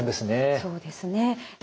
そうですね。